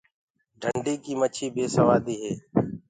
ڍنڊي ڪي مڇيٚ بي سوآديٚ هي۔